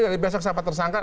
jadi besok siapa tersangka